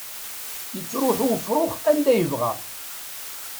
Yettruḥu ufrux anda yebɣa.